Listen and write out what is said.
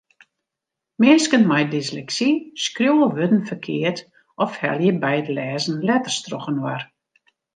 Minsken mei dysleksy skriuwe wurden ferkeard of helje by it lêzen letters trochinoar.